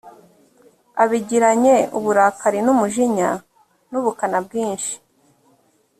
abigiranye uburakari n’umujinya n’ubukana bwinshi,